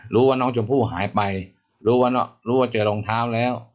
รู้ว่าน้องชมพู่หายไปรู้ว่าเจอรองเท้าแล้ว